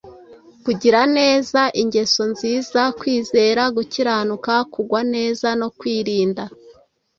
kugira neza, ingeso nziza, kwizera, gukiranuka, kugwa neza no kwirinda